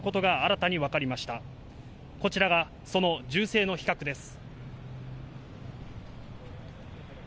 こちらがその銃声の比較です。